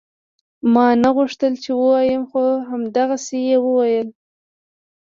ما نه غوښتل چې ووايم خو همدغسې يې وويل.